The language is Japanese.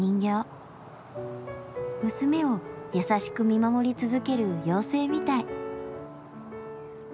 娘を優しく見守り続ける妖精みたい。